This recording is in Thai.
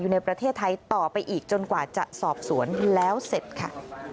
ในประเทศไทยต่อไปอีกจนกว่าจะสอบสวนแล้วเสร็จค่ะ